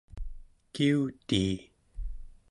kiutii